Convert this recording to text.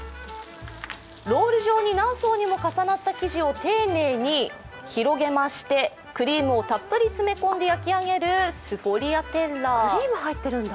ロール状に何層にも重なった生地を丁寧に広げましてクリームをたっぷり詰め込んで焼き上げるスフォリアテッラ。